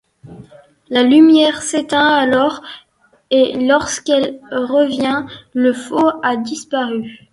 La lumière s'éteint alors, et lorsqu'elle revient, le faux a disparu.